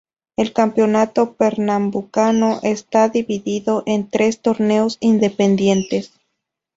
El Campeonato Pernambucano está dividido en tres torneos independientes.